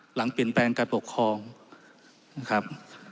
หลังเปลี่ยนแปลงการปกครองนะครับ